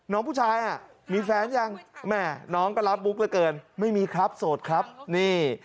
น้องผู้ชายอ่ะมีแฟนยังแม่น้องก็รับบุ๊กเหลือเกินไม่มีครับโสดครับนี่